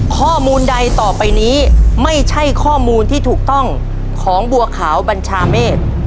ข้อมูลใดต่อไปนี้ไม่ใช่ข้อมูลที่ถูกต้องของบัวขาวบัญชาเมฆ